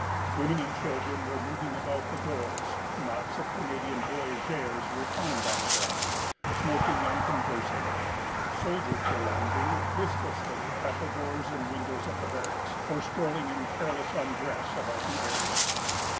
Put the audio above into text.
Women and children were moving about the doors; knots of Canadian voyageurs reclined on the ground, smoking and conversing; soldiers were lounging listlessly at the doors and windows of the barracks, or strolling in careless undress about the area.